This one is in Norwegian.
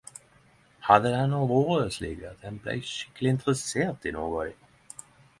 Hadde det endå vore slik at ein blei skikkeleg interessert i nokre av dei!